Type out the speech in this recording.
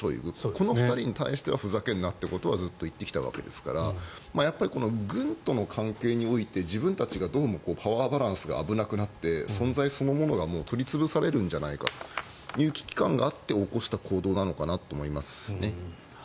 この２人に対してはふざけんなということはずっと言ってきたわけですから軍との関係において自分たちがどうもパワーバランスが危なくなって存在そのものが取り潰されるんじゃないかという危機感があって起こした行動なのかなと思いますね。